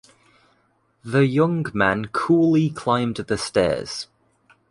The young man coolly climbed the stairs.